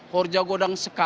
horja godang sekali